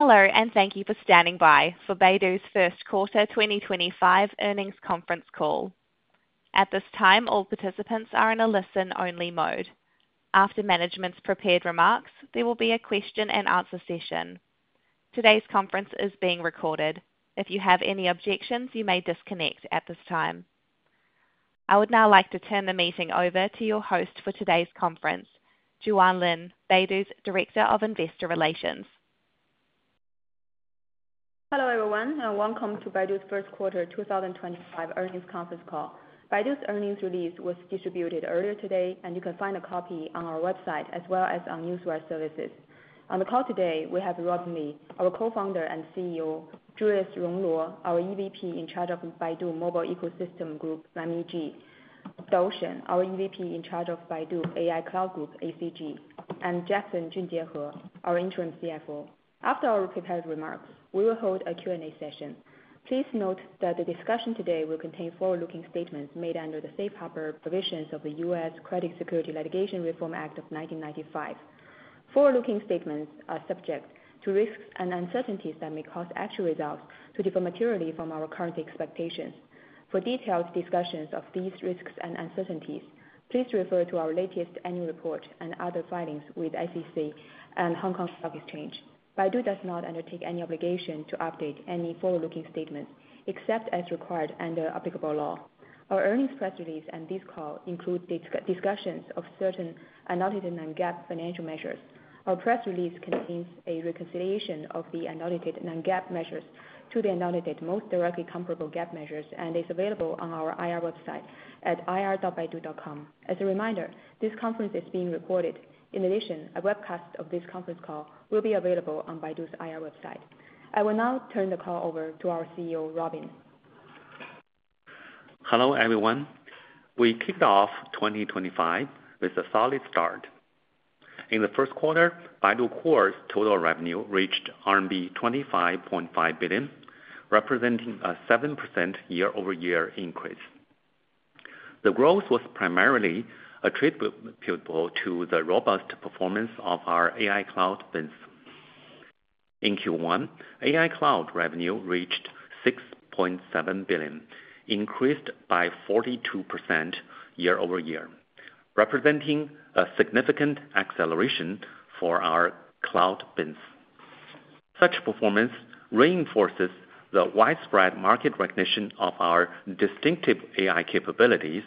Hello, and thank you for standing by for Baidu's first quarter 2025 earnings conference call. At this time, all participants are in a listen-only mode. After management's prepared remarks, there will be a question-and-answer session. Today's conference is being recorded. If you have any objections, you may disconnect at this time. I would now like to turn the meeting over to your host for today's conference, Juan Lin, Baidu's Director of Investor Relations. Hello, everyone, and welcome to Baidu's first quarter 2025 earnings conference call. Baidu's earnings release was distributed earlier today, and you can find a copy on our website as well as on newswire services. On the call today, we have Robin Li, our co-founder and CEO, Julius Rong Luo, our EVP in charge of Baidu Mobile Ecosystem Group, MEG, Dou Shen, our EVP in charge of Baidu AI Cloud Group, ACG, and Jackson Junjie He, our Interim CFO. After our prepared remarks, we will hold a Q&A session. Please note that the discussion today will contain forward-looking statements made under the safe harbor provisions of the U.S. Credit Security Litigation Reform Act of 1995. Forward-looking statements are subject to risks and uncertainties that may cause actual results to differ materially from our current expectations. For detailed discussions of these risks and uncertainties, please refer to our latest annual report and other filings with the SEC and Hong Kong Stock Exchange. Baidu does not undertake any obligation to update any forward-looking statements except as required under applicable law. Our earnings press release and this call include discussions of certain unallocated non-GAAP financial measures. Our press release contains a reconciliation of the unallocated non-GAAP measures to the unallocated most directly comparable GAAP measures and is available on our IR website at ir.baidu.com. As a reminder, this conference is being recorded. In addition, a webcast of this conference call will be available on Baidu's IR website. I will now turn the call over to our CEO, Robin. Hello, everyone. We kicked off 2025 with a solid start. In the first quarter, Baidu Core's total revenue reached RMB 25.5 billion, representing a 7% year-over-year increase. The growth was primarily attributable to the robust performance of our AI Cloud business. In Q1, AI Cloud revenue reached 6.7 billion, increased by 42% year-over-year, representing a significant acceleration for our Cloud business. Such performance reinforces the widespread market recognition of our distinctive AI capabilities,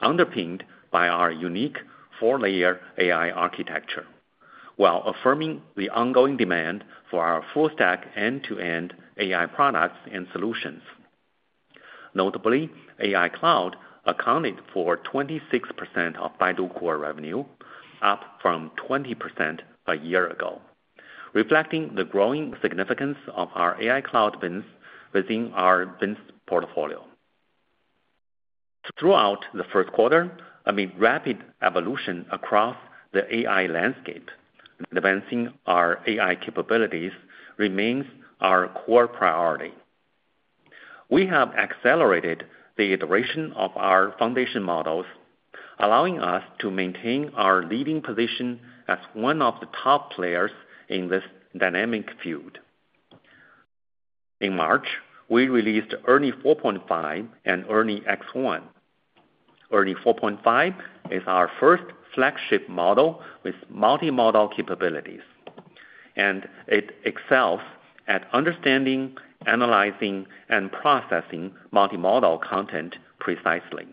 underpinned by our unique four-layer AI architecture, while affirming the ongoing demand for our full-stack end-to-end AI products and solutions. Notably, AI Cloud accounted for 26% of Baidu Core revenue, up from 20% a year ago, reflecting the growing significance of our AI Cloud business within our business portfolio. Throughout the first quarter, amid rapid evolution across the AI landscape, advancing our AI capabilities remains our core priority. We have accelerated the iteration of our foundation models, allowing us to maintain our leading position as one of the top players in this dynamic field. In March, we released ERNIE 4.5 and ERNIE X1. ERNIE 4.5 is our first flagship model with multimodal capabilities, and it excels at understanding, analyzing, and processing multimodal content precisely.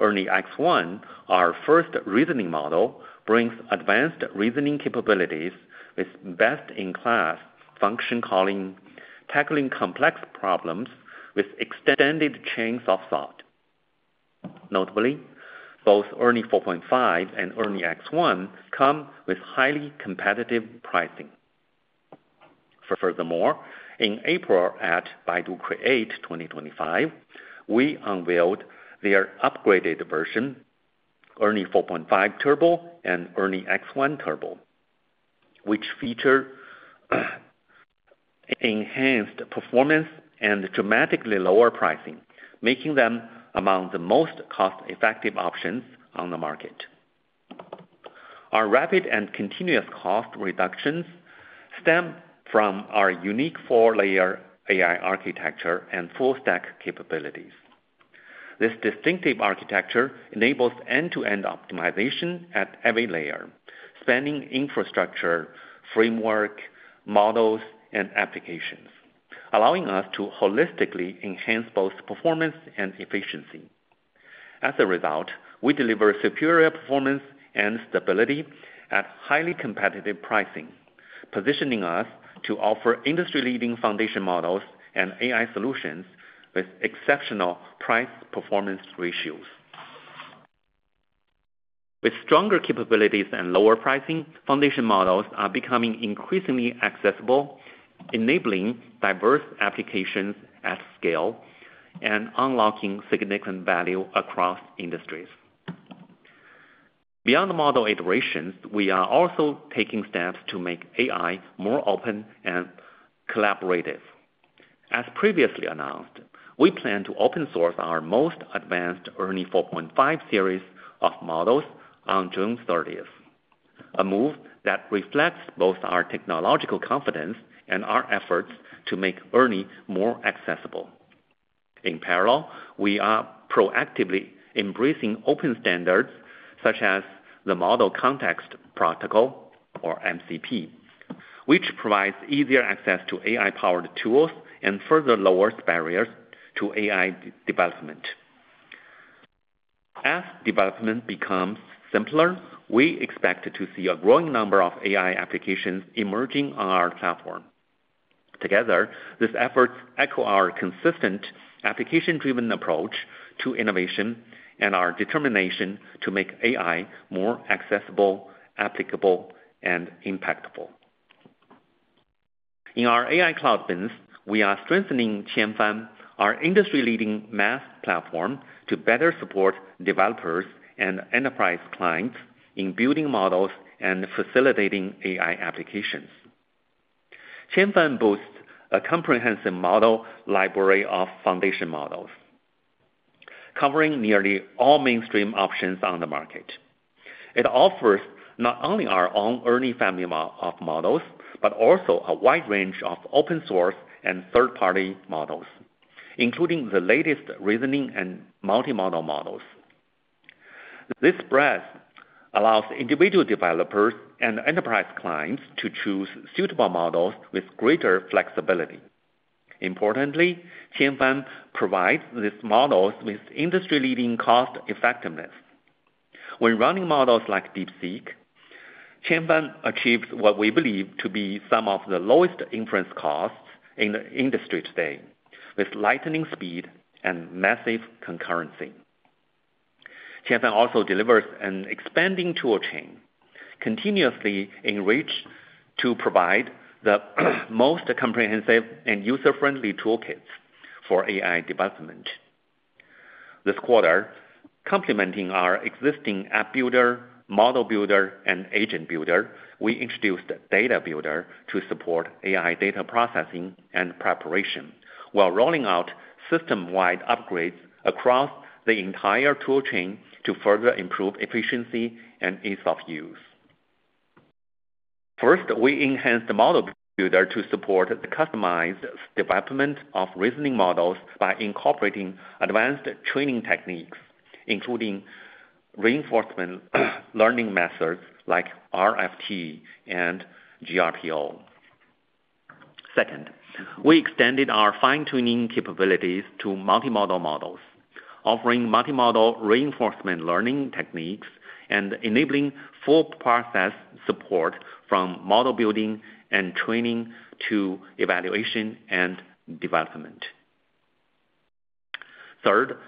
ERNIE X1, our first reasoning model, brings advanced reasoning capabilities with best-in-class function calling, tackling complex problems with extended chains of thought. Notably, both ERNIE 4.5 and ERNIE X1 come with highly competitive pricing. Furthermore, in April at Baidu Create 2025, we unveiled their upgraded version, ERNIE 4.5 Turbo and ERNIE X1 Turbo, which feature enhanced performance and dramatically lower pricing, making them among the most cost-effective options on the market. Our rapid and continuous cost reductions stem from our unique four-layer AI architecture and full-stack capabilities. This distinctive architecture enables end-to-end optimization at every layer, spanning infrastructure, framework, models, and applications, allowing us to holistically enhance both performance and efficiency. As a result, we deliver superior performance and stability at highly competitive pricing, positioning us to offer industry-leading foundation models and AI solutions with exceptional price-performance ratios. With stronger capabilities and lower pricing, foundation models are becoming increasingly accessible, enabling diverse applications at scale and unlocking significant value across industries. Beyond the model iterations, we are also taking steps to make AI more open and collaborative. As previously announced, we plan to open source our most advanced ERNIE 4.5 series of models on June 30th, a move that reflects both our technological confidence and our efforts to make ERNIE more accessible. In parallel, we are proactively embracing open standards such as the Model Context Protocol, or MCP, which provides easier access to AI-powered tools and further lowers barriers to AI development. As development becomes simpler, we expect to see a growing number of AI applications emerging on our platform. Together, these efforts echo our consistent application-driven approach to innovation and our determination to make AI more accessible, applicable, and impactful. In our AI Cloud business, we are strengthening Qianfan, our industry-leading math platform, to better support developers and enterprise clients in building models and facilitating AI applications. Qianfan boasts a comprehensive model library of foundation models, covering nearly all mainstream options on the market. It offers not only our own ERNIE family of models but also a wide range of open-source and third-party models, including the latest reasoning and multimodal models. This breadth allows individual developers and enterprise clients to choose suitable models with greater flexibility. Importantly, Qianfan provides these models with industry-leading cost effectiveness. When running models like DeepSeek, Qianfan achieves what we believe to be some of the lowest inference costs in the industry today, with lightning speed and massive concurrency. Qianfan also delivers an expanding tool chain, continuously enriched to provide the most comprehensive and user-friendly toolkits for AI development. This quarter, complementing our existing app builder, model builder, and agent builder, we introduced a data builder to support AI data processing and preparation, while rolling out system-wide upgrades across the entire tool chain to further improve efficiency and ease of use. First, we enhanced the model builder to support the customized development of reasoning models by incorporating advanced training techniques, including reinforcement learning methods like RFT and GRTO. Second, we extended our fine-tuning capabilities to multimodal models, offering multimodal reinforcement learning techniques and enabling full-process support from model building and training to evaluation and development. Third,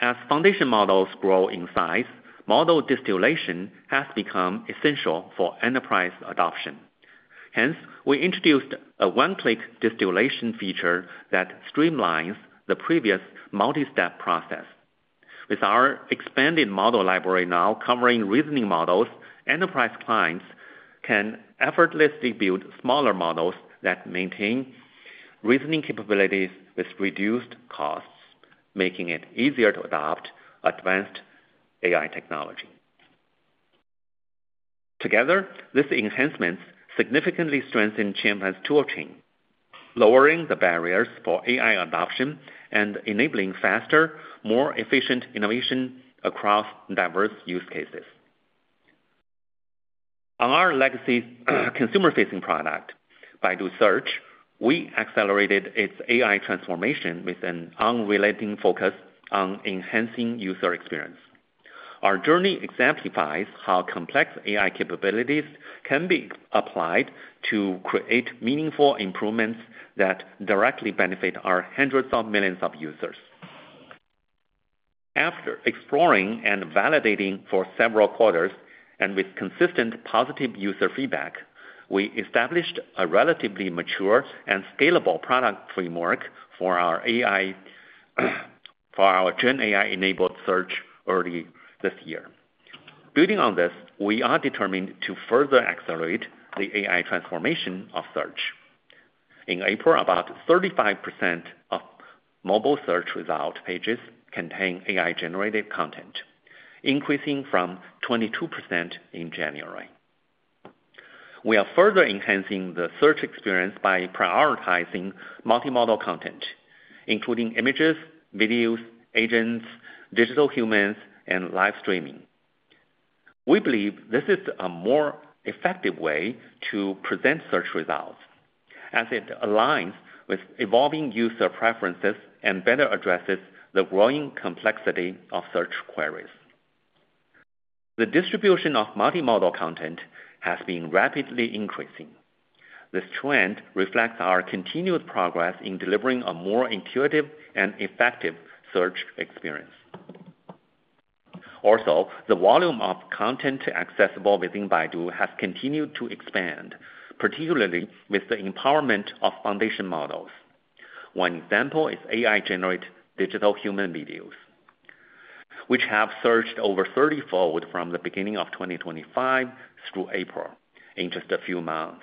as foundation models grow in size, model distillation has become essential for enterprise adoption. Hence, we introduced a one-click distillation feature that streamlines the previous multi-step process. With our expanded model library now covering reasoning models, enterprise clients can effortlessly build smaller models that maintain reasoning capabilities with reduced costs, making it easier to adopt advanced AI technology. Together, these enhancements significantly strengthen Qianfan's tool chain, lowering the barriers for AI adoption and enabling faster, more efficient innovation across diverse use cases. On our legacy consumer-facing product, Baidu Search, we accelerated its AI transformation with an unrelenting focus on enhancing user experience. Our journey exemplifies how complex AI capabilities can be applied to create meaningful improvements that directly benefit our hundreds of millions of users. After exploring and validating for several quarters and with consistent positive user feedback, we established a relatively mature and scalable product framework for our GenAI-enabled search early this year. Building on this, we are determined to further accelerate the AI transformation of search. In April, about 35% of mobile search result pages contain AI-generated content, increasing from 22% in January. We are further enhancing the search experience by prioritizing multimodal content, including images, videos, agents, digital humans, and live streaming. We believe this is a more effective way to present search results, as it aligns with evolving user preferences and better addresses the growing complexity of search queries. The distribution of multimodal content has been rapidly increasing. This trend reflects our continued progress in delivering a more intuitive and effective search experience. Also, the volume of content accessible within Baidu has continued to expand, particularly with the empowerment of foundation models. One example is AI-generated digital human videos, which have surged over 30-fold from the beginning of 2025 through April in just a few months.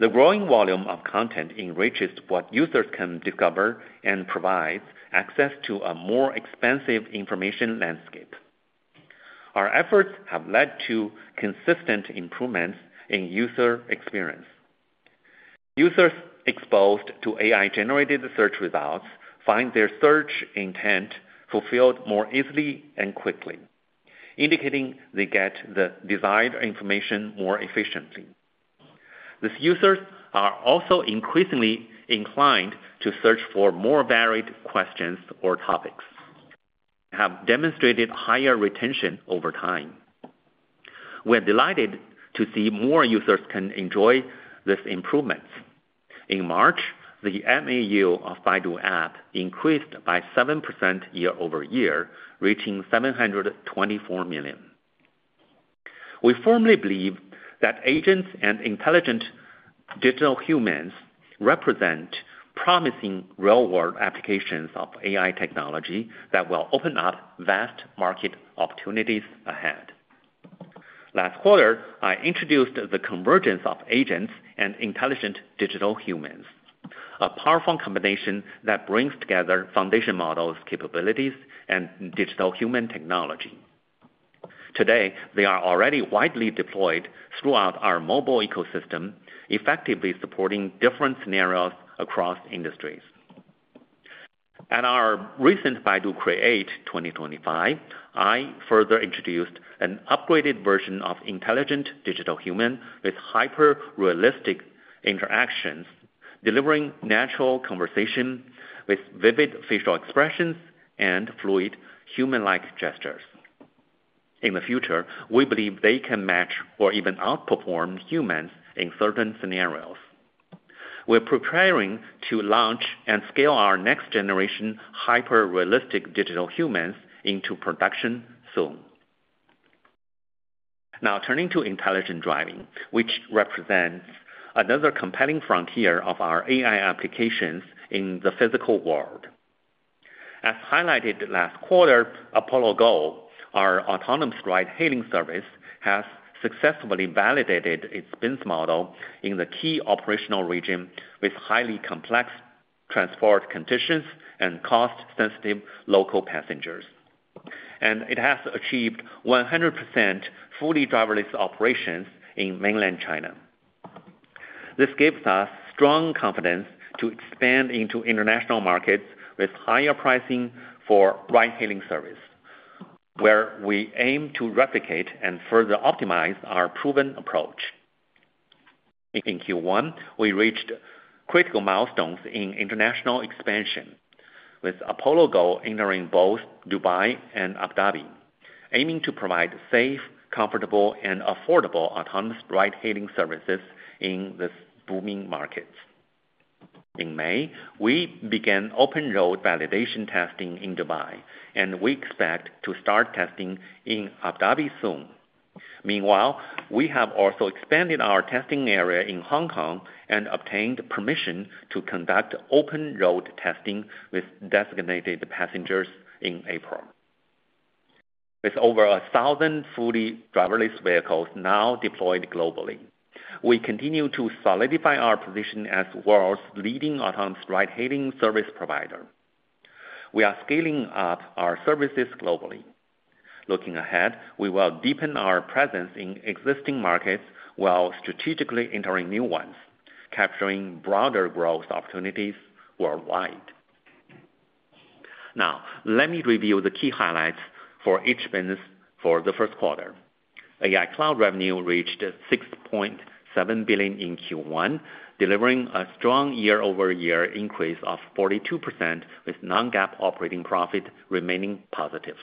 The growing volume of content enriches what users can discover and provides access to a more expansive information landscape. Our efforts have led to consistent improvements in user experience. Users exposed to AI-generated search results find their search intent fulfilled more easily and quickly, indicating they get the desired information more efficiently. These users are also increasingly inclined to search for more varied questions or topics, have demonstrated higher retention over time. We are delighted to see more users can enjoy these improvements. In March, the MAU of Baidu App increased by 7% year-over-year, reaching 724 million. We firmly believe that agents and intelligent digital humans represent promising real-world applications of AI technology that will open up vast market opportunities ahead. Last quarter, I introduced the convergence of agents and intelligent digital humans, a powerful combination that brings together foundation models' capabilities and digital human technology. Today, they are already widely deployed throughout our mobile ecosystem, effectively supporting different scenarios across industries. At our recent Baidu Create 2025, I further introduced an upgraded version of intelligent digital human with hyper-realistic interactions, delivering natural conversation with vivid facial expressions and fluid human-like gestures. In the future, we believe they can match or even outperform humans in certain scenarios. We're preparing to launch and scale our next-generation hyper-realistic digital humans into production soon. Now, turning to intelligent driving, which represents another compelling frontier of our AI applications in the physical world. As highlighted last quarter, Apollo Go, our autonomous ride-hailing service, has successfully validated its business model in the key operational region with highly complex transport conditions and cost-sensitive local passengers. It has achieved 100% fully driverless operations in mainland China. This gives us strong confidence to expand into international markets with higher pricing for ride-hailing service, where we aim to replicate and further optimize our proven approach. In Q1, we reached critical milestones in international expansion, with Apollo Go entering both Dubai and Abu Dhabi, aiming to provide safe, comfortable, and affordable autonomous ride-hailing services in these booming markets. In May, we began open-road validation testing in Dubai, and we expect to start testing in Abu Dhabi soon. Meanwhile, we have also expanded our testing area in Hong Kong and obtained permission to conduct open-road testing with designated passengers in April. With over 1,000 fully driverless vehicles now deployed globally, we continue to solidify our position as the world's leading autonomous ride-hailing service provider. We are scaling up our services globally. Looking ahead, we will deepen our presence in existing markets while strategically entering new ones, capturing broader growth opportunities worldwide. Now, let me review the key highlights for each business for the first quarter. AI Cloud revenue reached 6.7 billion in Q1, delivering a strong year-over-year increase of 42%, with non-GAAP operating profit remaining positive.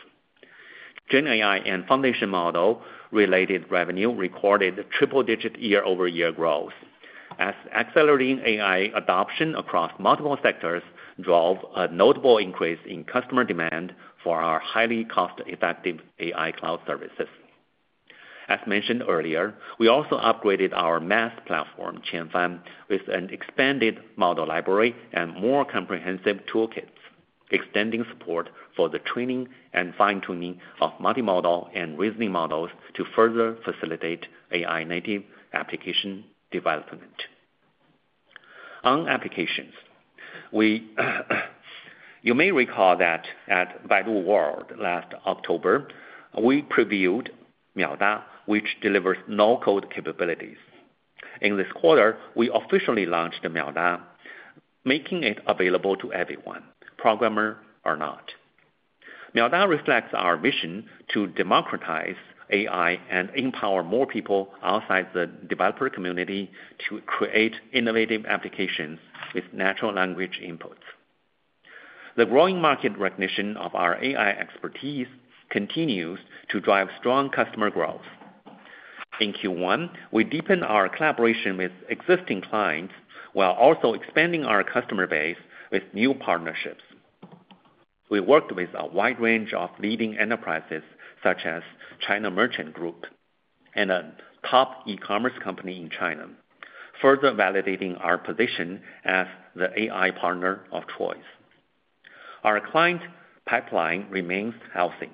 GenAI and foundation model-related revenue recorded triple-digit year-over-year growth, as accelerating AI adoption across multiple sectors drove a notable increase in customer demand for our highly cost-effective AI Cloud services. As mentioned earlier, we also upgraded our MaaS platform, Qianfan, with an expanded model library and more comprehensive toolkits, extending support for the training and fine-tuning of multimodal and reasoning models to further facilitate AI-native application development. On applications, you may recall that at Baidu World last October, we previewed MiaoDa, which delivers no-code capabilities. In this quarter, we officially launched MiaoDa, making it available to everyone, programmer or not. MiaoDa reflects our mission to democratize AI and empower more people outside the developer community to create innovative applications with natural language inputs. The growing market recognition of our AI expertise continues to drive strong customer growth. In Q1, we deepened our collaboration with existing clients while also expanding our customer base with new partnerships. We worked with a wide range of leading enterprises, such as China Merchants Group and a top e-commerce company in China, further validating our position as the AI partner of choice. Our client pipeline remains healthy.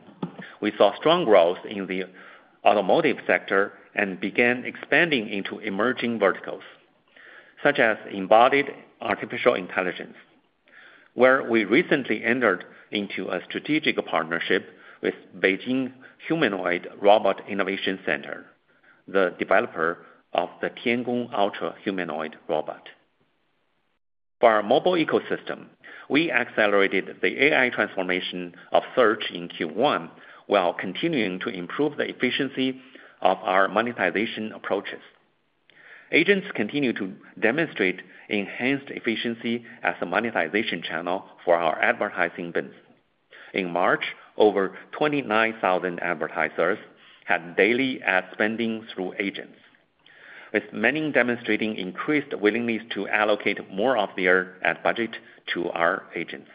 We saw strong growth in the automotive sector and began expanding into emerging verticals, such as embodied artificial intelligence, where we recently entered into a strategic partnership with Beijing Humanoid Robot Innovation Center, the developer of the Tiangong Ultra Humanoid Robot. For our mobile ecosystem, we accelerated the AI transformation of search in Q1 while continuing to improve the efficiency of our monetization approaches. Agents continue to demonstrate enhanced efficiency as a monetization channel for our advertising business. In March, over 29,000 advertisers had daily ad spending through agents, with many demonstrating increased willingness to allocate more of their ad budget to our agents.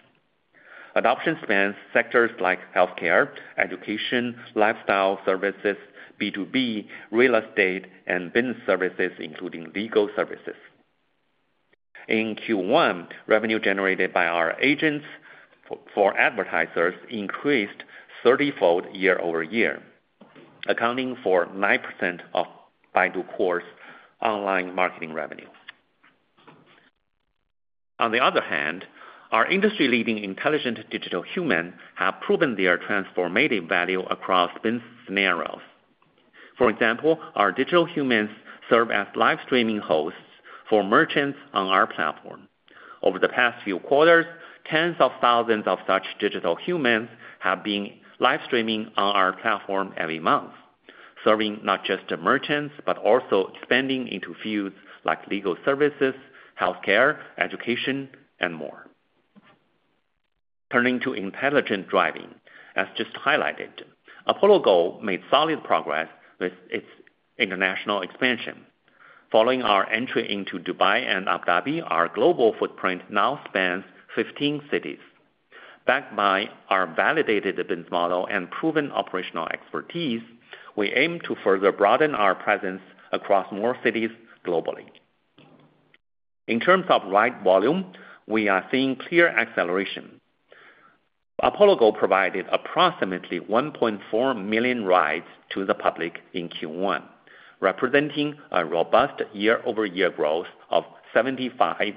Adoption spans sectors like healthcare, education, lifestyle services, B2B, real estate, and business services, including legal services. In Q1, revenue generated by our agents for advertisers increased 30-fold year-over-year, accounting for 9% of Baidu Core's online marketing revenue. On the other hand, our industry-leading intelligent digital humans have proven their transformative value across business scenarios. For example, our digital humans serve as live streaming hosts for merchants on our platform. Over the past few quarters, tens of thousands of such digital humans have been live streaming on our platform every month, serving not just the merchants but also expanding into fields like legal services, healthcare, education, and more. Turning to intelligent driving, as just highlighted, Apollo Go made solid progress with its international expansion. Following our entry into Dubai and Abu Dhabi, our global footprint now spans 15 cities. Backed by our validated business model and proven operational expertise, we aim to further broaden our presence across more cities globally. In terms of ride volume, we are seeing clear acceleration. Apollo Go provided approximately 1.4 million rides to the public in Q1, representing a robust year-over-year growth of 75%.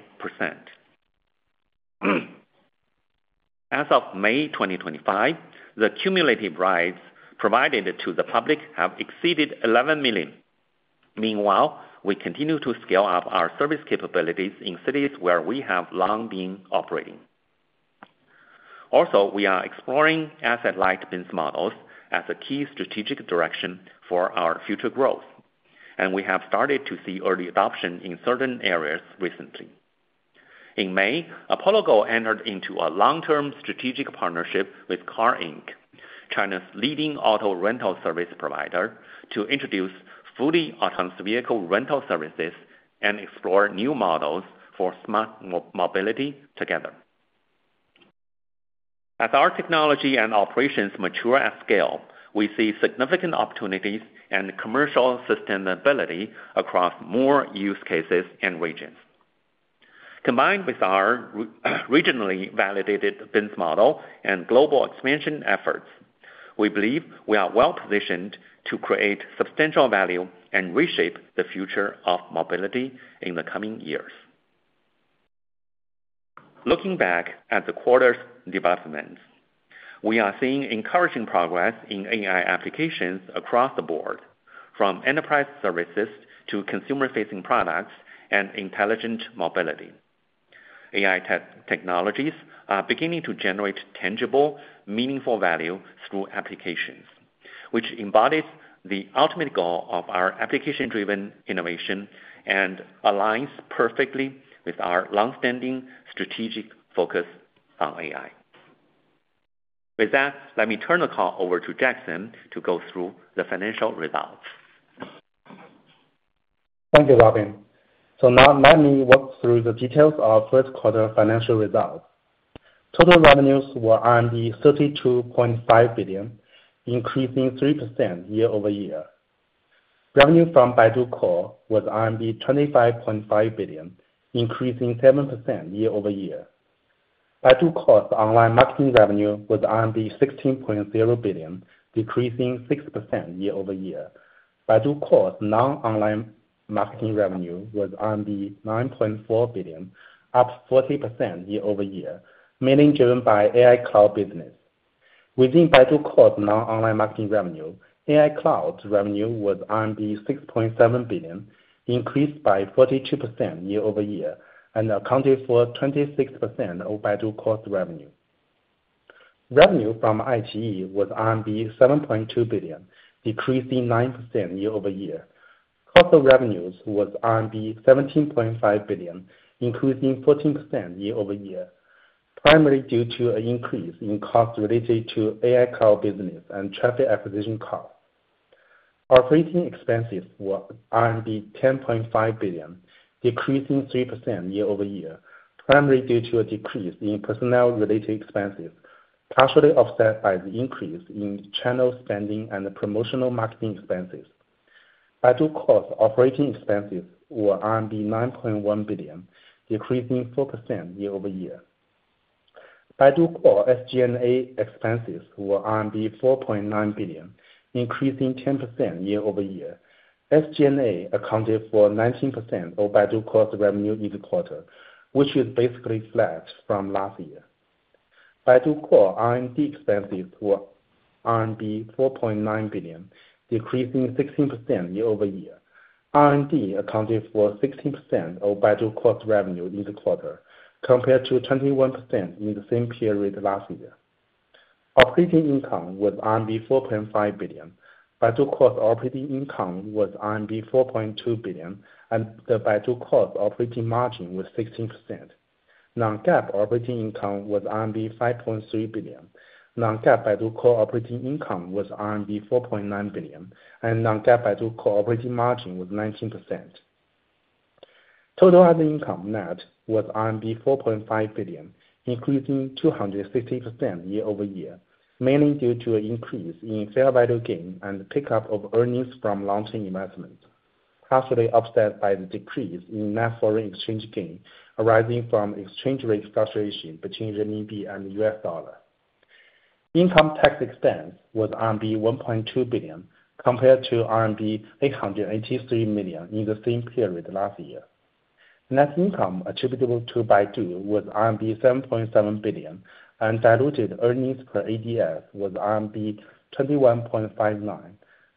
As of May 2025, the cumulative rides provided to the public have exceeded 11 million. Meanwhile, we continue to scale up our service capabilities in cities where we have long been operating. Also, we are exploring asset-light business models as a key strategic direction for our future growth, and we have started to see early adoption in certain areas recently. In May, Apollo Go entered into a long-term strategic partnership with CAR Inc., China's leading auto rental service provider, to introduce fully autonomous vehicle rental services and explore new models for smart mobility together. As our technology and operations mature at scale, we see significant opportunities and commercial sustainability across more use cases and regions. Combined with our regionally validated business model and global expansion efforts, we believe we are well-positioned to create substantial value and reshape the future of mobility in the coming years. Looking back at the quarter's developments, we are seeing encouraging progress in AI applications across the board, from enterprise services to consumer-facing products and intelligent mobility. AI technologies are beginning to generate tangible, meaningful value through applications, which embodies the ultimate goal of our application-driven innovation and aligns perfectly with our long-standing strategic focus on AI. With that, let me turn the call over to Jackson to go through the financial results. Thank you, Robin. Now let me walk through the details of our first quarter financial results. Total revenues were 32.5 billion, increasing 3% year-over-year. Revenue from Baidu Core was RMB 25.5 billion, increasing 7% year-over-year. Baidu Core's online marketing revenue was RMB 16.0 billion, decreasing 6% year-over-year. Baidu Core's non-online marketing revenue was 9.4 billion, up 40% year-over-year, mainly driven by AI Cloud business. Within Baidu Core's non-online marketing revenue, AI Cloud's revenue was RMB 6.7 billion, increased by 42% year-over-year and accounted for 26% of Baidu Core's revenue. Revenue from ITE was RMB 7.2 billion, decreasing 9% year-over-year. Cost of revenues was RMB 17.5 billion, increasing 14% year-over-year, primarily due to an increase in costs related to AI Cloud business and traffic acquisition costs. Operating expenses were CNY 10.5 billion, decreasing 3% year-over-year, primarily due to a decrease in personnel-related expenses, partially offset by the increase in channel spending and promotional marketing expenses. Baidu Core's operating expenses were RMB 9.1 billion, decreasing 4% year-over-year. Baidu Core's SG&A expenses were RMB 4.9 billion, increasing 10% year-over-year. SG&A accounted for 19% of Baidu Core's revenue each quarter, which is basically flat from last year. Baidu Core's R&D expenses were 4.9 billion, decreasing 16% year-over-year. R&D accounted for 16% of Baidu Core's revenue each quarter, compared to 21% in the same period last year. Operating income was 4.5 billion. Baidu Core's operating income was 4.2 billion, and the Baidu Core's operating margin was 16%. Non-GAAP operating income was RMB 5.3 billion. Non-GAAP Baidu Core operating income was RMB 4.9 billion, and Non-GAAP Baidu Core operating margin was 19%. Total other income net was RMB 4.5 billion, increasing 260% year-over-year, mainly due to an increase in fair value gain and pickup of earnings from long-term investments, partially offset by the decrease in net foreign exchange gain arising from exchange rate fluctuation between Renminbi and US dollar. Income tax expense was RMB 1.2 billion, compared to RMB 883 million in the same period last year. Net income attributable to Baidu was RMB 7.7 billion, and diluted earnings per ADS was RMB 21.59.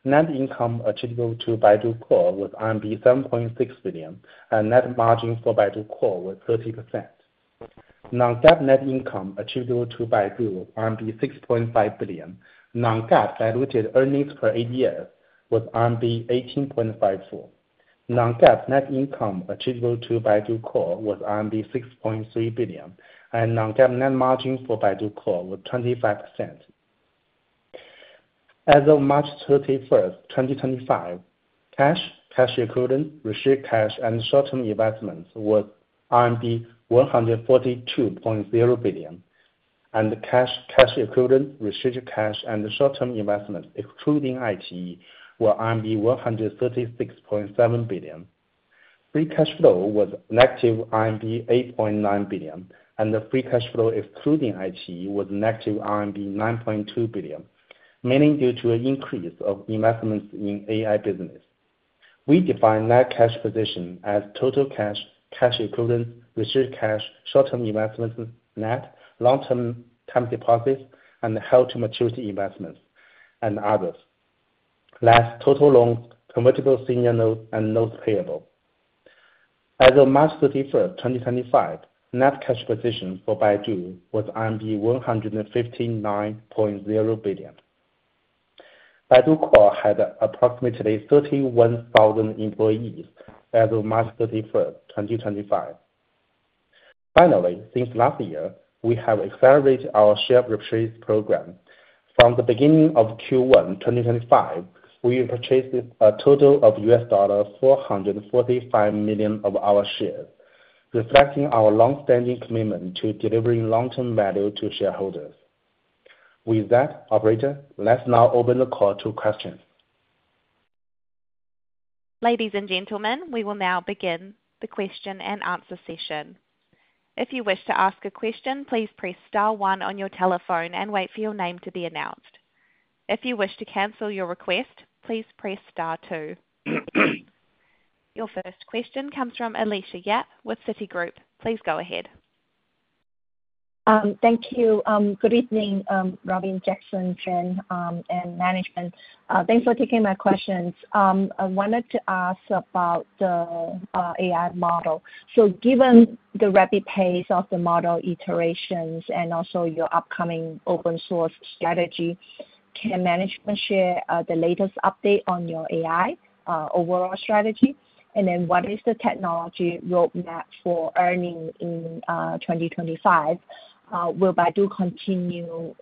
Net income attributable to Baidu Core was RMB 7.6 billion, and net margin for Baidu Core was 30%. Non-GAAP net income attributable to Baidu was 6.5 billion. Non-GAAP diluted earnings per ADS was 18.54. Non-GAAP net income attributable to Baidu Core was 6.3 billion, and Non-GAAP net margin for Baidu Core was 25%. As of March 31st, 2025, cash, cash equivalent, restricted cash, and short-term investments were RMB 142.0 billion, and cash, cash equivalent, restricted cash, and short-term investments excluding ITE were 136.7 billion. Free cash flow was -8.9 billion RMB, and the free cash flow excluding ITE was -9.2 billion RMB, mainly due to an increase of investments in AI business. We define net cash position as total cash, cash equivalent, restricted cash, short-term investments net, long-term time deposits, and held to maturity investments, and others, less total loans, convertible senior notes, and notes payable. As of March 31st, 2025, net cash position for Baidu was RMB 159.0 billion. Baidu Core had approximately 31,000 employees as of March 31st, 2025. Finally, since last year, we have accelerated our share purchase program. From the beginning of Q1 2025, we purchased a total of $445 million of our shares, reflecting our long-standing commitment to delivering long-term value to shareholders. With that, operator, let's now open the call to questions. Ladies and gentlemen, we will now begin the question and answer session. If you wish to ask a question, please press star one on your telephone and wait for your name to be announced. If you wish to cancel your request, please press star two. Your first question comes from Alicia Yap with Citigroup. Please go ahead. Thank you. Good evening, Robin, Jackson, Juan, and management. Thanks for taking my questions. I wanted to ask about the AI model. Given the rapid pace of the model iterations and also your upcoming open-source strategy, can management share the latest update on your AI overall strategy? What is the technology roadmap for ERNIE in 2025? Will Baidu continue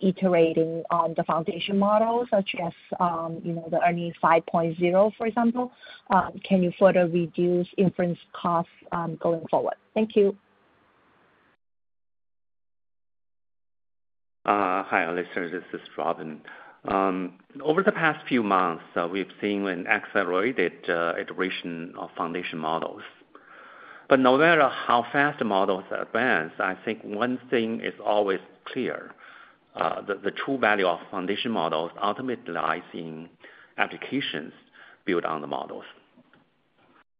iterating on the foundation model, such as the ERNIE 5.0, for example? Can you further reduce inference costs going forward? Thank you. Hi, Alicia. This is Robin. Over the past few months, we've seen an accelerated iteration of foundation models. No matter how fast the models advance, I think one thing is always clear. The true value of foundation models ultimately lies in applications built on the models.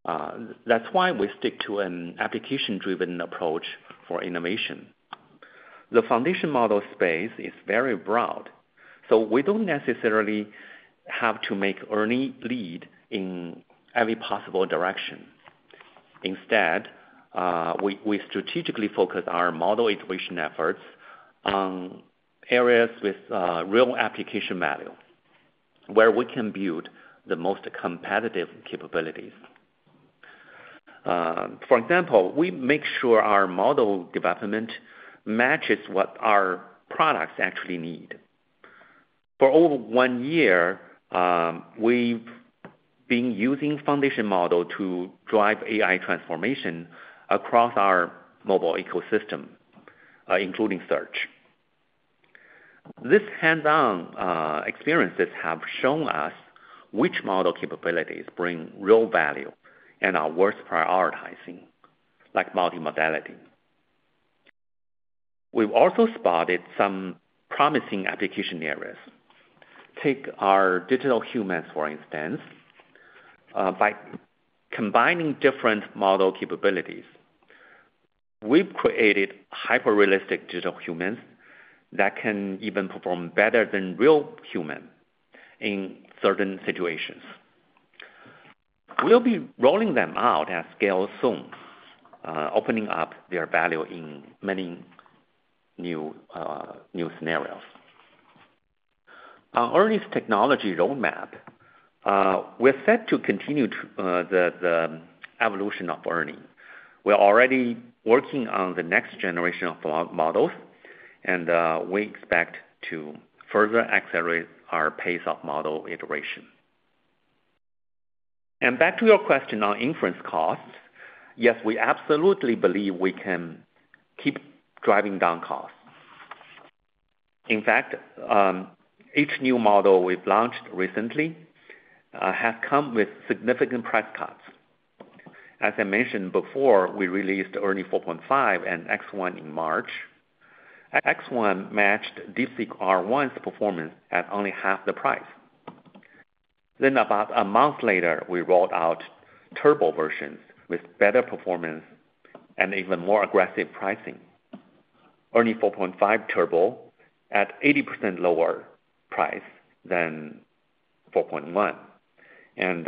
That is why we stick to an application-driven approach for innovation. The foundation model space is very broad, so we do not necessarily have to make early leads in every possible direction. Instead, we strategically focus our model iteration efforts on areas with real application value where we can build the most competitive capabilities. For example, we make sure our model development matches what our products actually need. For over one year, we have been using foundation models to drive AI transformation across our mobile ecosystem, including search. These hands-on experiences have shown us which model capabilities bring real value and are worth prioritizing, like multimodality. We have also spotted some promising application areas. Take our digital humans, for instance. By combining different model capabilities, we've created hyper-realistic digital humans that can even perform better than real humans in certain situations. We'll be rolling them out at scale soon, opening up their value in many new scenarios. On earnings technology roadmap, we're set to continue the evolution of ERNIE. We're already working on the next generation of models, and we expect to further accelerate our pace of model iteration. Back to your question on inference costs, yes, we absolutely believe we can keep driving down costs. In fact, each new model we've launched recently has come with significant price cuts. As I mentioned before, we released ERNIE 4.5 and X1 in March. X1 matched DeepSeek R1's performance at only half the price. About a month later, we rolled out Turbo versions with better performance and even more aggressive pricing. ERNIE 4.5 Turbo at 80% lower price than 4.1 and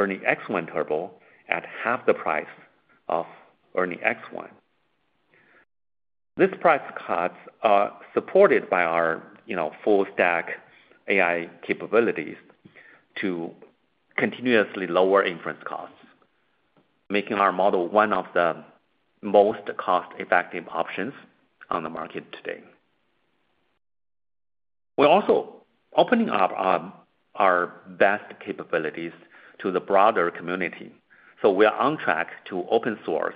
ERNIE X1 Turbo at half the price of ERNIE X1. These price cuts are supported by our full-stack AI capabilities to continuously lower inference costs, making our model one of the most cost-effective options on the market today. We're also opening up our best capabilities to the broader community. We are on track to open-source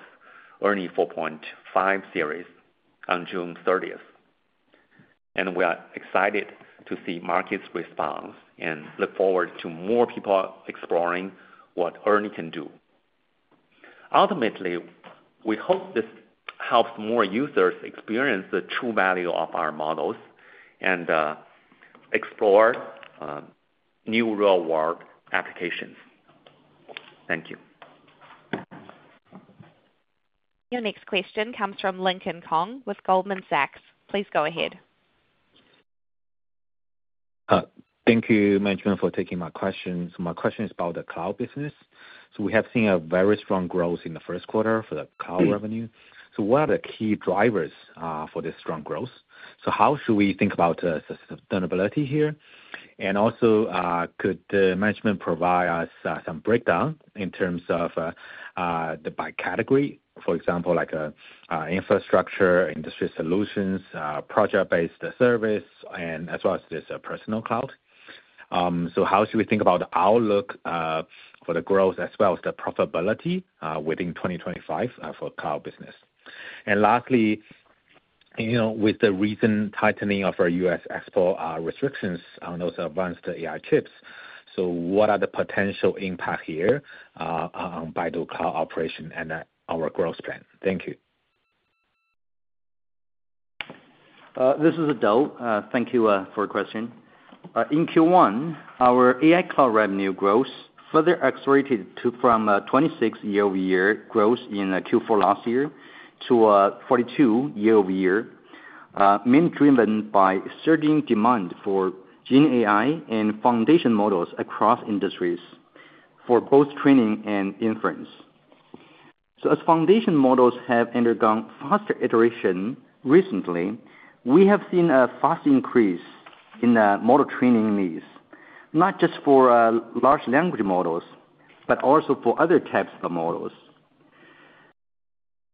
ERNIE 4.5 series on June 30th. We are excited to see markets respond and look forward to more people exploring what ERNIE can do. Ultimately, we hope this helps more users experience the true value of our models and explore new real-world applications. Thank you. Your next question comes from Lincoln Kong with Goldman Sachs. Please go ahead. Thank you, management, for taking my questions. My question is about the cloud business. We have seen a very strong growth in the first quarter for the cloud revenue. What are the key drivers for this strong growth? How should we think about sustainability here? Also, could the management provide us some breakdown in terms of the by-category, for example, like infrastructure, industry solutions, project-based service, as well as this personal cloud? How should we think about the outlook for the growth as well as the profitability within 2025 for cloud business? Lastly, with the recent tightening of our U.S. export restrictions on those advanced AI chips, what are the potential impacts here on Baidu cloud operation and our growth plan? Thank you. This is Dou. Thank you for your question. In Q1, our AI Cloud revenue growth further accelerated from a 26% year-over-year growth in Q4 last year to a 42% year-over-year, mainly driven by surging demand for GenAI and foundation models across industries for both training and inference. As foundation models have undergone faster iteration recently, we have seen a fast increase in the model training needs, not just for large language models, but also for other types of models.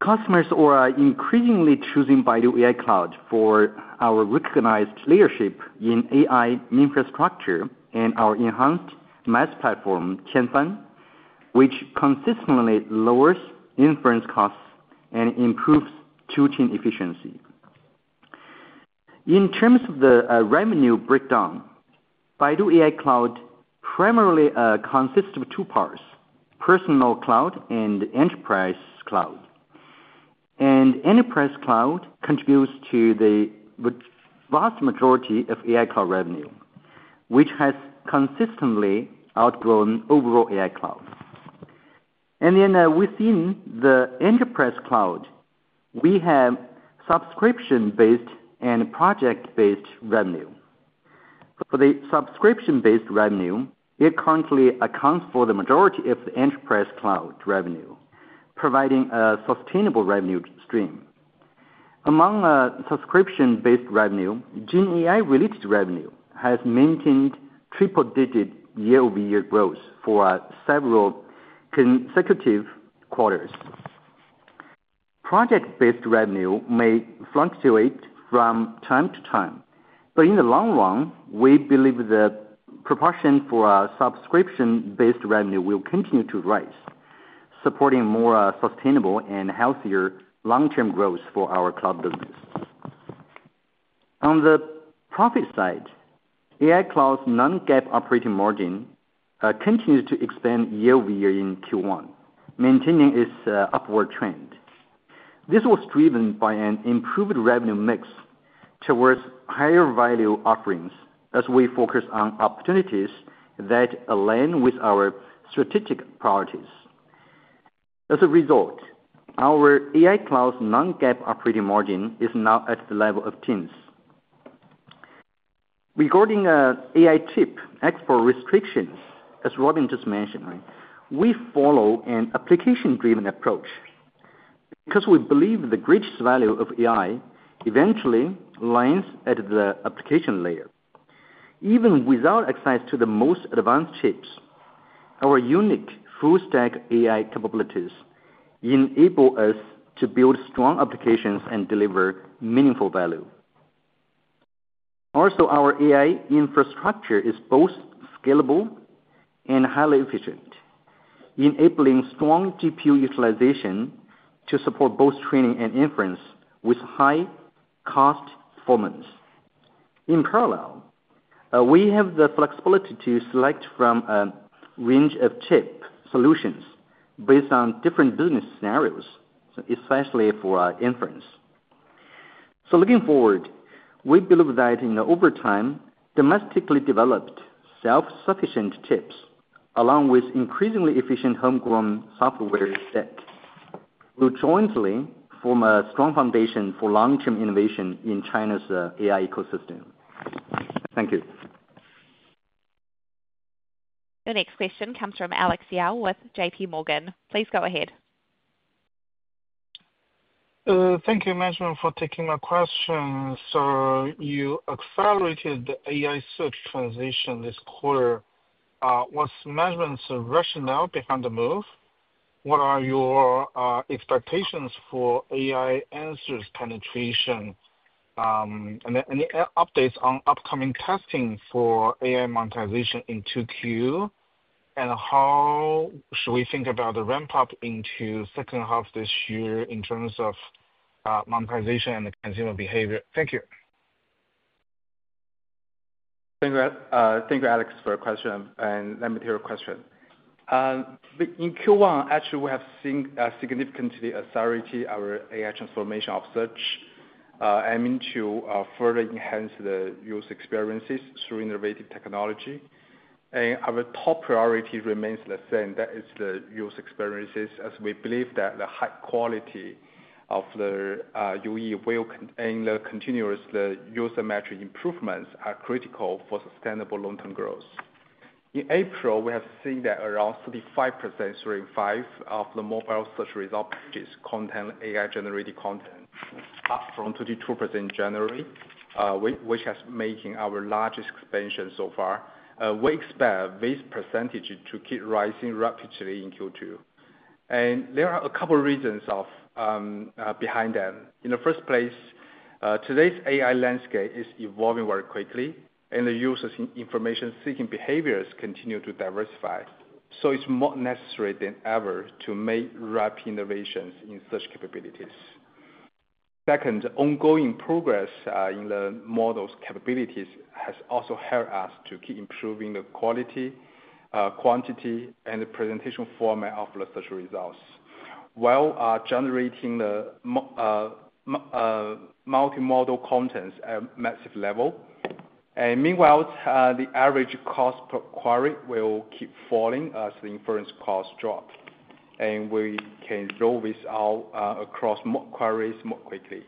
Customers are increasingly choosing Baidu AI Cloud for our recognized leadership in AI infrastructure and our enhanced mass platform, Qianfan, which consistently lowers inference costs and improves toolchain efficiency. In terms of the revenue breakdown, Baidu AI Cloud primarily consists of two parts: personal cloud and enterprise cloud. Enterprise cloud contributes to the vast majority of AI Cloud revenue, which has consistently outgrown overall AI Cloud. Within the enterprise cloud, we have subscription-based and project-based revenue. For the subscription-based revenue, it currently accounts for the majority of the enterprise cloud revenue, providing a sustainable revenue stream. Among subscription-based revenue, GenAI-related revenue has maintained triple-digit year-over-year growth for several consecutive quarters. Project-based revenue may fluctuate from time to time, but in the long run, we believe the proportion for subscription-based revenue will continue to rise, supporting more sustainable and healthier long-term growth for our cloud business. On the profit side, AI Cloud's non-GAAP operating margin continues to expand year-over-year in Q1, maintaining its upward trend. This was driven by an improved revenue mix towards higher value offerings as we focus on opportunities that align with our strategic priorities. As a result, our AI Cloud's non-GAAP operating margin is now at the level of 10%. Regarding AI chip export restrictions, as Robin just mentioned, we follow an application-driven approach because we believe the greatest value of AI eventually lands at the application layer. Even without access to the most advanced chips, our unique full-stack AI capabilities enable us to build strong applications and deliver meaningful value. Also, our AI infrastructure is both scalable and highly efficient, enabling strong GPU utilization to support both training and inference with high-cost performance. In parallel, we have the flexibility to select from a range of chip solutions based on different business scenarios, especially for inference. Looking forward, we believe that in the overtime, domestically developed self-sufficient chips, along with increasingly efficient homegrown software stack, will jointly form a strong foundation for long-term innovation in China's AI ecosystem. Thank you. Your next question comes from Alex Yao with JPMorgan. Please go ahead. Thank you, management, for taking my question. You accelerated the AI search transition this quarter. What's management's rationale behind the move? What are your expectations for AI answers penetration? Any updates on upcoming testing for AI monetization in Q2? How should we think about the ramp-up into the second half of this year in terms of monetization and consumer behavior? Thank you. Thank you, Alex, for your question and that material question. In Q1, actually, we have seen significantly accelerate our AI transformation of search aiming to further enhance the user experiences through innovative technology. Our top priority remains the same. That is the user experiences, as we believe that the high quality of the UE will and the continuous user metric improvements are critical for sustainable long-term growth. In April, we have seen that around 35% through five of the mobile search result pages contain AI-generated content, up from 32% in January, which has made our largest expansion so far. We expect this percentage to keep rising rapidly in Q2. There are a couple of reasons behind that. In the first place, today's AI landscape is evolving very quickly, and the user's information-seeking behaviors continue to diversify. It is more necessary than ever to make rapid innovations in such capabilities. Second, ongoing progress in the model's capabilities has also helped us to keep improving the quality, quantity, and presentation format of the search results while generating multimodal contents at a massive level. Meanwhile, the average cost per query will keep falling as the inference costs drop, and we can roll this out across more queries more quickly.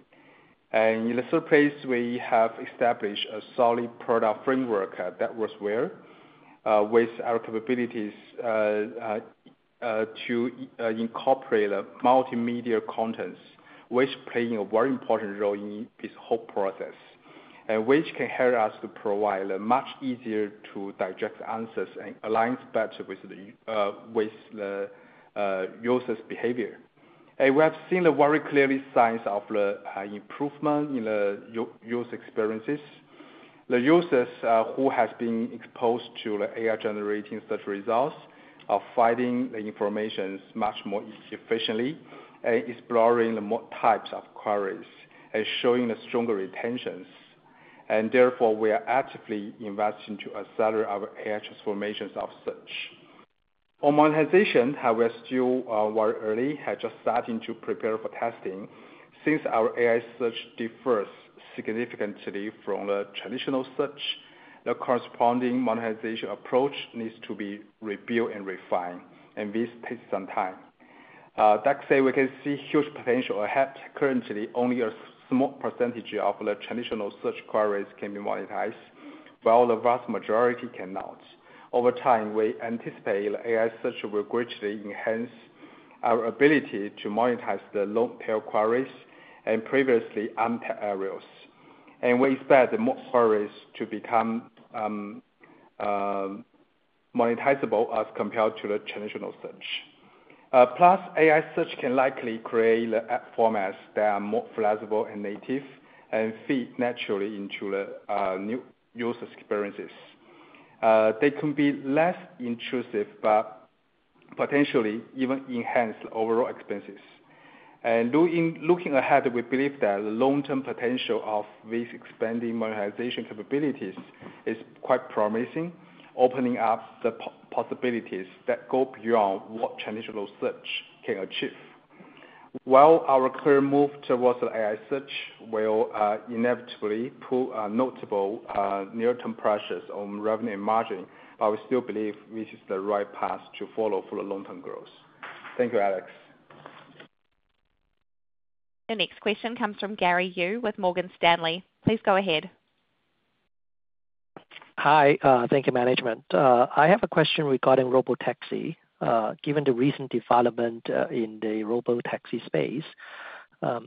In the third place, we have established a solid product framework that works well with our capabilities to incorporate multimedia contents, which play a very important role in this whole process, and which can help us to provide much easier-to-digest answers and align better with the user's behavior. We have seen very clearly signs of improvement in the user experiences. The users who have been exposed to the AI-generated search results are finding the information much more efficiently and exploring more types of queries and showing stronger retentions. Therefore, we are actively investing to accelerate our AI transformations of search. On monetization, however, still very early, has just started to prepare for testing. Since our AI search differs significantly from the traditional search, the corresponding monetization approach needs to be rebuilt and refined, and this takes some time. That said, we can see huge potential ahead. Currently, only a small percentage of the traditional search queries can be monetized, while the vast majority cannot. Over time, we anticipate AI search will greatly enhance our ability to monetize the long-tail queries and previously untailed areas. We expect more queries to become monetizable as compared to the traditional search. Plus, AI search can likely create formats that are more flexible and native and fit naturally into the user experiences. They can be less intrusive but potentially even enhance the overall expenses. Looking ahead, we believe that the long-term potential of these expanding monetization capabilities is quite promising, opening up the possibilities that go beyond what traditional search can achieve. While our current move towards AI search will inevitably put notable near-term pressures on revenue and margin, we still believe this is the right path to follow for the long-term growth. Thank you, Alex. Your next question comes from Gary Yu with Morgan Stanley. Please go ahead. Hi. Thank you, management. I have a question regarding robotaxi. Given the recent development in the robotaxi space,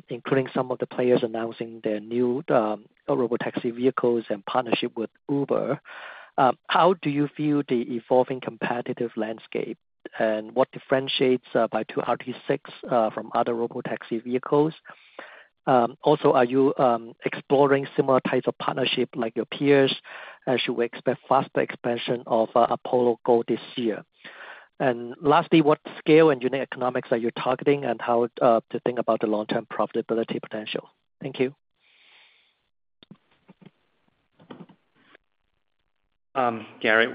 including some of the players announcing their new robotaxi vehicles and partnership with Uber, how do you view the evolving competitive landscape? What differentiates Baidu RT6 from other robotaxi vehicles? Also, are you exploring similar types of partnerships like your peers? Should we expect faster expansion of Apollo Go this year? Lastly, what scale and unit economics are you targeting and how to think about the long-term profitability potential? Thank you. Gary,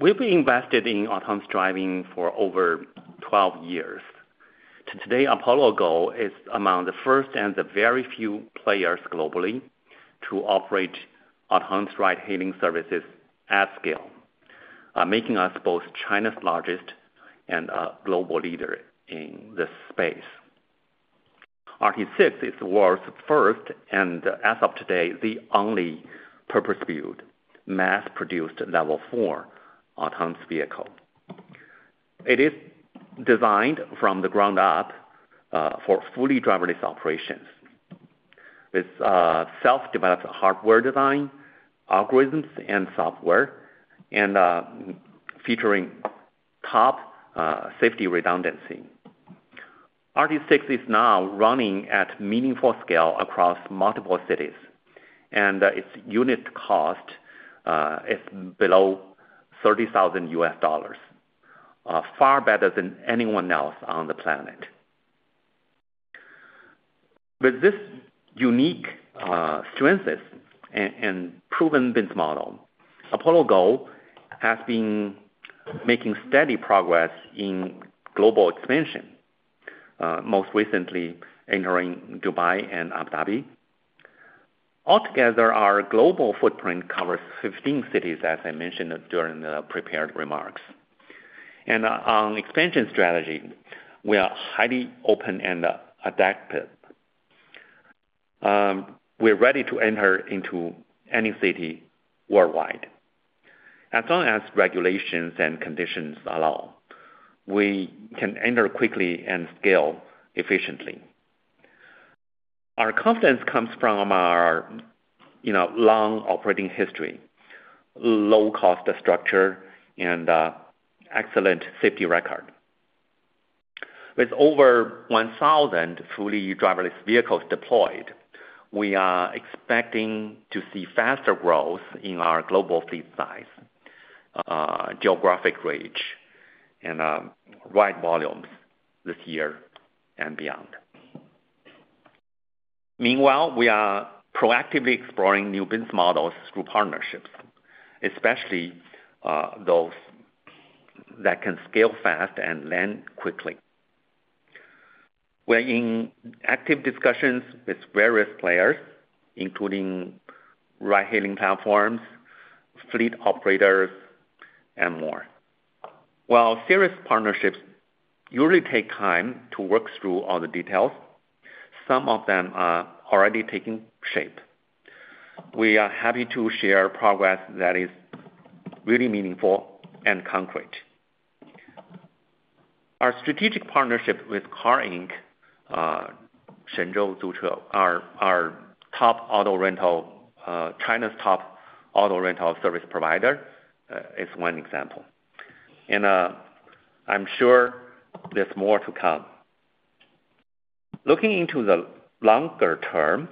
we've been invested in autonomous driving for over 12 years. Today, Apollo Go is among the first and the very few players globally to operate autonomous ride-hailing services at scale, making us both China's largest and a global leader in this space. RT6 is the world's first and, as of today, the only purpose-built, mass-produced level four autonomous vehicle. It is designed from the ground up for fully driverless operations with self-developed hardware design, algorithms, and software, and featuring top safety redundancy. RT6 is now running at meaningful scale across multiple cities, and its unit cost is below $30,000, far better than anyone else on the planet. With these unique strengths and proven business model, Apollo Go has been making steady progress in global expansion, most recently entering Dubai and Abu Dhabi. Altogether, our global footprint covers 15 cities, as I mentioned during the prepared remarks. On expansion strategy, we are highly open and adaptive. We're ready to enter into any city worldwide. As long as regulations and conditions allow, we can enter quickly and scale efficiently. Our confidence comes from our long operating history, low-cost structure, and excellent safety record. With over 1,000 fully driverless vehicles deployed, we are expecting to see faster growth in our global fleet size, geographic reach, and ride volumes this year and beyond. Meanwhile, we are proactively exploring new business models through partnerships, especially those that can scale fast and land quickly. We're in active discussions with various players, including ride-hailing platforms, fleet operators, and more. While serious partnerships usually take time to work through all the details, some of them are already taking shape. We are happy to share progress that is really meaningful and concrete. Our strategic partnership with CAR Inc., Shenzhou Zhuche, our top auto rental, China's top auto rental service provider, is one example. I'm sure there's more to come. Looking into the longer term,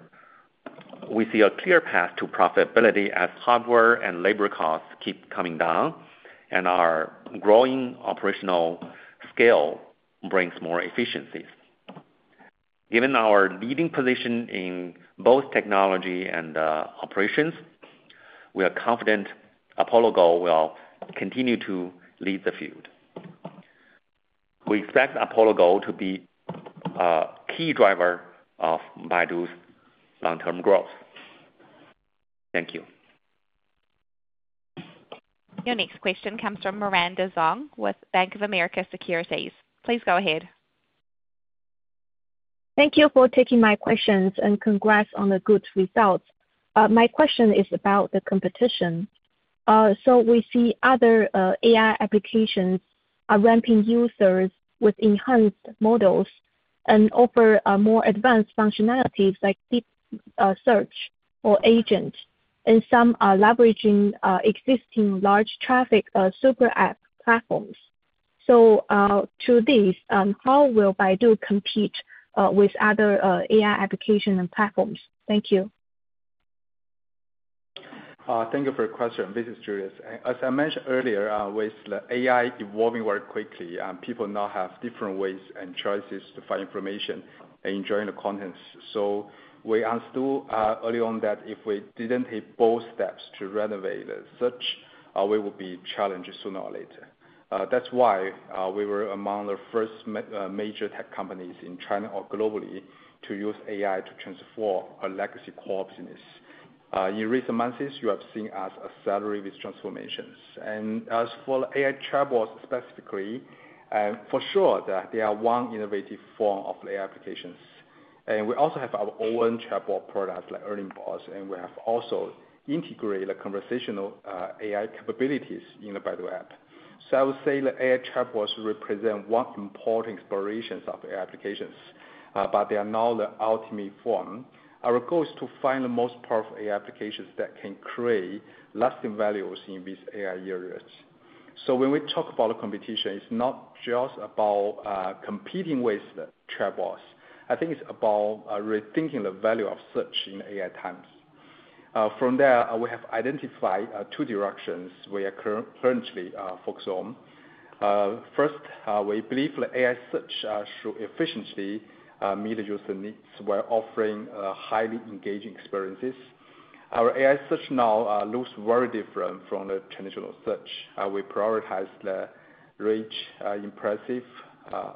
we see a clear path to profitability as hardware and labor costs keep coming down and our growing operational scale brings more efficiencies. Given our leading position in both technology and operations, we are confident Apollo Go will continue to lead the field. We expect Apollo Go to be a key driver of Baidu's long-term growth. Thank you. Your next question comes from Miranda Zhuang with Bank of America Securities. Please go ahead. Thank you for taking my questions and congrats on the good results. My question is about the competition. We see other AI applications ramping users with enhanced models and offer more advanced functionalities like deep search or agents, and some are leveraging existing large traffic super app platforms. To these, how will Baidu compete with other AI applications and platforms? Thank you. Thank you for your question. This is Julius. As I mentioned earlier, with the AI evolving very quickly, people now have different ways and choices to find information and enjoy the contents. We are still early on that. If we did not take both steps to renovate the search, we will be challenged sooner or later. That is why we were among the first major tech companies in China or globally to use AI to transform a legacy core business. In recent months, you have seen us accelerate with transformations. As for AI chatbots specifically, for sure, they are one innovative form of AI applications. We also have our own chatbot products like ERNIE Bots, and we have also integrated conversational AI capabilities in the Baidu App. I would say the AI chatbots represent one important exploration of AI applications, but they are not the ultimate form. Our goal is to find the most powerful AI applications that can create lasting values in these AI areas. When we talk about the competition, it is not just about competing with chatbots. I think it's about rethinking the value of search in AI times. From there, we have identified two directions we are currently focused on. First, we believe the AI search should efficiently meet the user needs while offering highly engaging experiences. Our AI search now looks very different from the traditional search. We prioritize the rich, impressive,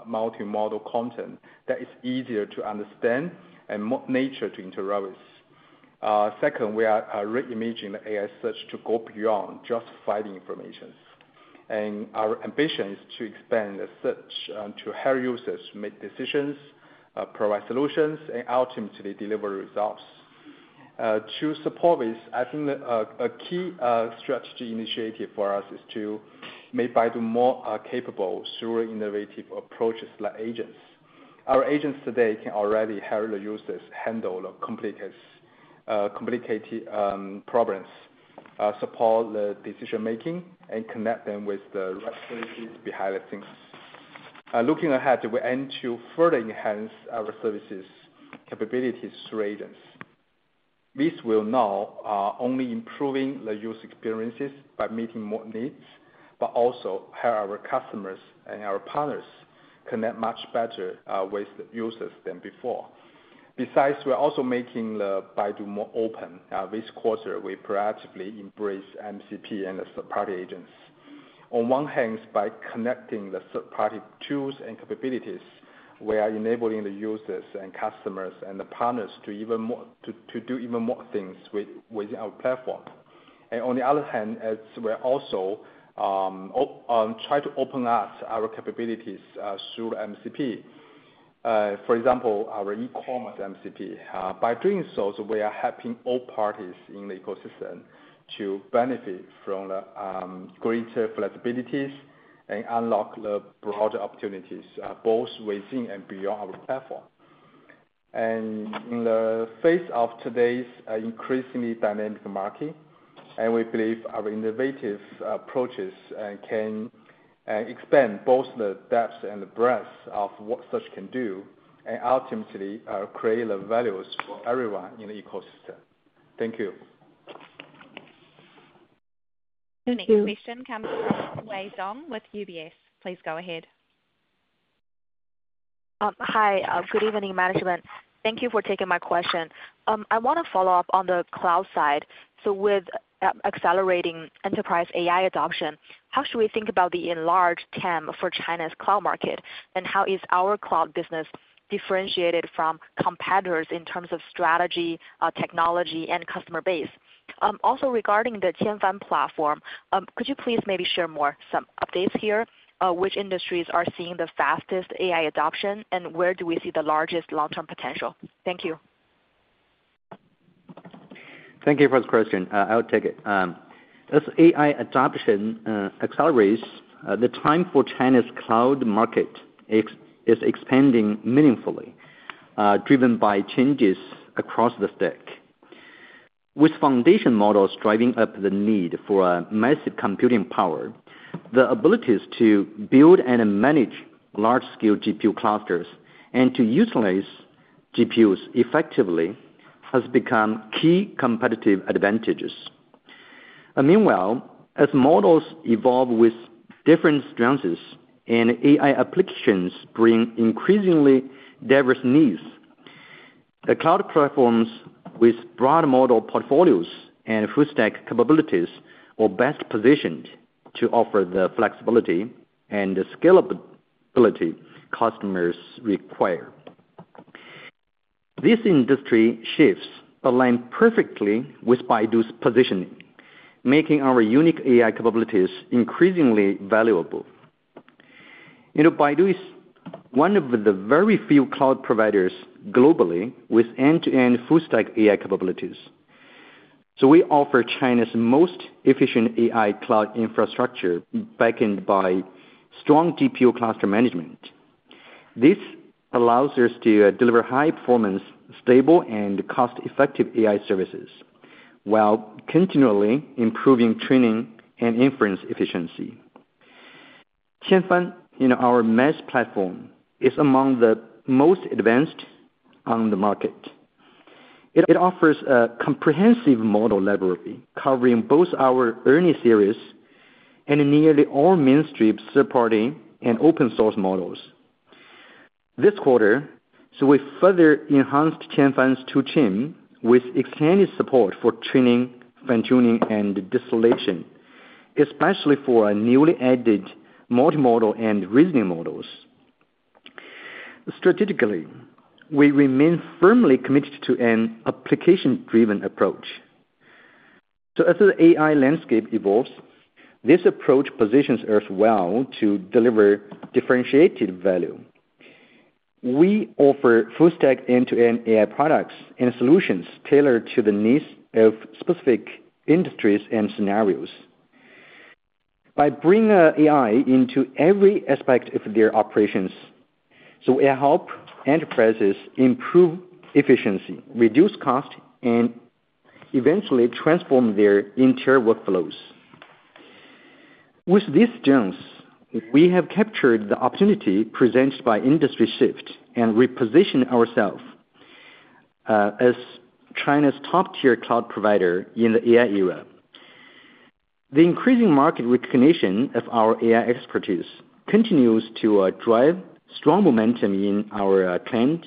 multimodal content that is easier to understand and more natural to interact with. Second, we are re-imagining the AI search to go beyond just finding information. Our ambition is to expand the search to help users make decisions, provide solutions, and ultimately deliver results. To support this, I think a key strategy initiative for us is to make Baidu more capable through innovative approaches like agents. Our agents today can already help the users handle complicated problems, support the decision-making, and connect them with the right services behind the scenes. Looking ahead, we aim to further enhance our services capabilities through agents. This will not only improve the user experiences by meeting more needs, but also help our customers and our partners connect much better with users than before. Besides, we are also making Baidu more open. This quarter, we proactively embraced MCP and the third-party agents. On one hand, by connecting the third-party tools and capabilities, we are enabling the users and customers and the partners to do even more things within our platform. On the other hand, we are also trying to open up our capabilities through MCP. For example, our e-commerce MCP. By doing so, we are helping all parties in the ecosystem to benefit from greater flexibilities and unlock the broader opportunities, both within and beyond our platform. In the face of today's increasingly dynamic market, we believe our innovative approaches can expand both the depth and the breadth of what search can do and ultimately create values for everyone in the ecosystem. Thank you. Your next question comes from Wei Xiong with UBS. Please go ahead. Hi. Good evening, management. Thank you for taking my question. I want to follow up on the cloud side. With accelerating enterprise AI adoption, how should we think about the enlarged TAM for China's cloud market? How is our cloud business differentiated from competitors in terms of strategy, technology, and customer base? Also, regarding the Qianfan platform, could you please maybe share more updates here? Which industries are seeing the fastest AI adoption, and where do we see the largest long-term potential? Thank you. Thank you for the question. I'll take it. As AI adoption accelerates, the time for China's cloud market is expanding meaningfully, driven by changes across the stack. With foundation models driving up the need for massive computing power, the abilities to build and manage large-scale GPU clusters and to utilize GPUs effectively have become key competitive advantages. Meanwhile, as models evolve with different strengths and AI applications bring increasingly diverse needs, the cloud platforms with broad model portfolios and full-stack capabilities are best positioned to offer the flexibility and scalability customers require. This industry shifts align perfectly with Baidu's positioning, making our unique AI capabilities increasingly valuable. Baidu is one of the very few cloud providers globally with end-to-end full-stack AI capabilities. So we offer China's most efficient AI cloud infrastructure backed by strong GPU cluster management. This allows us to deliver high-performance, stable, and cost-effective AI services while continually improving training and inference efficiency. Qianfan, our MaaS platform, is among the most advanced on the market. It offers a comprehensive model library covering both our ERNIE series and nearly all mainstream supporting and open-source models. This quarter, we further enhanced Qianfan's two chips with extended support for training, fine-tuning, and distillation, especially for newly added multimodal and reasoning models. Strategically, we remain firmly committed to an application-driven approach. As the AI landscape evolves, this approach positions us well to deliver differentiated value. We offer full-stack end-to-end AI products and solutions tailored to the needs of specific industries and scenarios by bringing AI into every aspect of their operations. We help enterprises improve efficiency, reduce cost, and eventually transform their entire workflows. With these strengths, we have captured the opportunity presented by industry shift and repositioned ourselves as China's top-tier cloud provider in the AI era. The increasing market recognition of our AI expertise continues to drive strong momentum in our client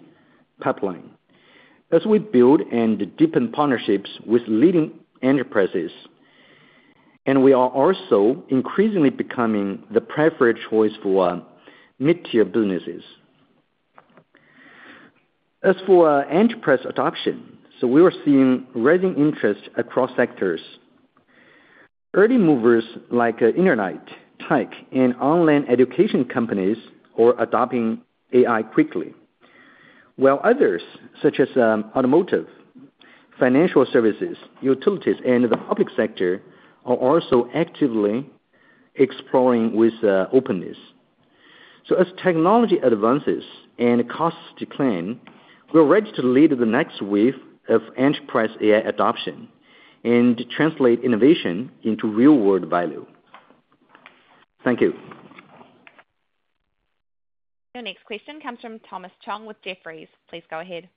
pipeline as we build and deepen partnerships with leading enterprises. We are also increasingly becoming the preferred choice for mid-tier businesses. As for enterprise adoption, we are seeing rising interest across sectors. Early movers like Internet, tech, and online education companies are adopting AI quickly, while others such as automotive, financial services, utilities, and the public sector are also actively exploring with openness. As technology advances and costs decline, we're ready to lead the next wave of enterprise AI adoption and translate innovation into real-world value. Thank you. Your next question comes from Thomas Chong with Jefferies. Please go ahead.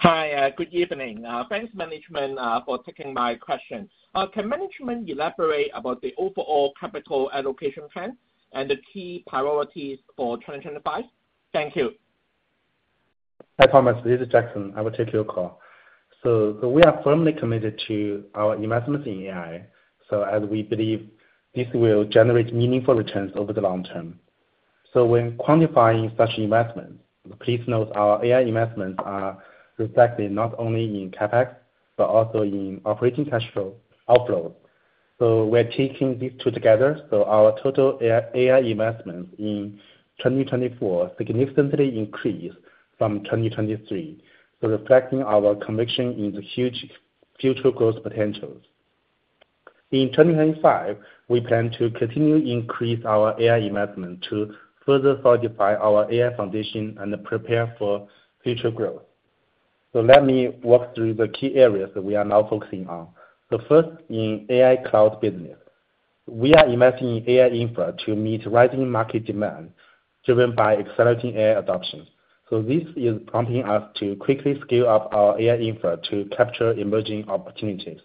Hi. Good evening. Thanks, management, for taking my question. Can management elaborate about the overall capital allocation plan and the key priorities for 2025? Thank you. Hi, Thomas. This is Jackson. I will take your call. We are firmly committed to our investments in AI, as we believe this will generate meaningful returns over the long term. When quantifying such investments, please note our AI investments are reflected not only in CapEx but also in operating cash flow outflows. Taking these two together, our total AI investments in 2024 significantly increased from 2023, reflecting our conviction in the huge future growth potentials. In 2025, we plan to continue to increase our AI investments to further solidify our AI foundation and prepare for future growth. Let me walk through the key areas that we are now focusing on. First, in AI cloud business, we are investing in AI infra to meet rising market demand driven by accelerating AI adoption. This is prompting us to quickly scale up our AI infra to capture emerging opportunities.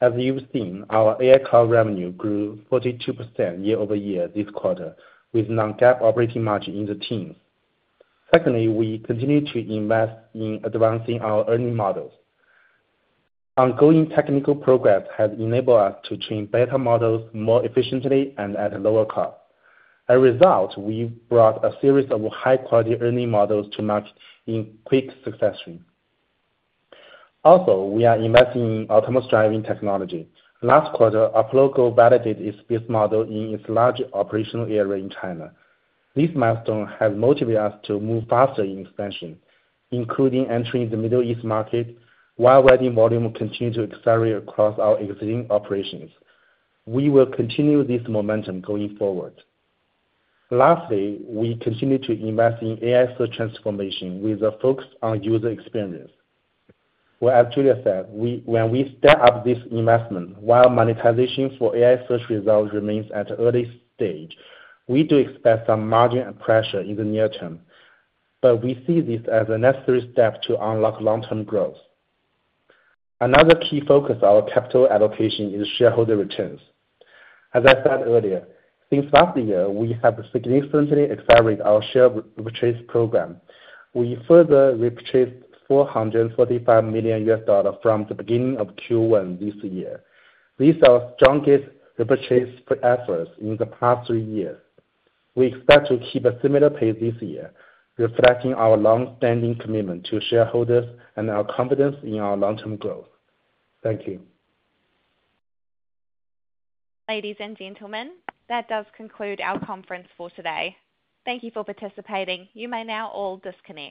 As you've seen, our AI Cloud revenue grew 42% year-over-year this quarter with non-GAAP operating margin in the teens. Secondly, we continue to invest in advancing our ERNIE models. Ongoing technical progress has enabled us to train better models more efficiently and at a lower cost. As a result, we brought a series of high-quality ERNIE models to market in quick succession. Also, we are investing in autonomous driving technology. Last quarter, Apollo Go validated its business model in its large operational area in China. This milestone has motivated us to move faster in expansion, including entering the Middle East market while ride volume continues to accelerate across our existing operations. We will continue this momentum going forward. Lastly, we continue to invest in AI search transformation with a focus on user experience. As Julius said, when we stack up this investment, while monetization for AI search results remains at an early stage, we do expect some margin and pressure in the near term. We see this as a necessary step to unlock long-term growth. Another key focus of our capital allocation is shareholder returns. As I said earlier, since last year, we have significantly accelerated our share repatriation program. We further repatriated $445 million from the beginning of Q1 this year. These are our strongest repatriation efforts in the past three years. We expect to keep a similar pace this year, reflecting our long-standing commitment to shareholders and our confidence in our long-term growth. Thank you. Ladies and gentlemen, that does conclude our conference for today. Thank you for participating. You may now all disconnect.